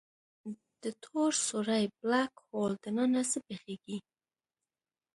د تور سوری Black Hole دننه څه پېښېږي؟